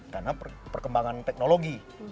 karena perkembangan teknologi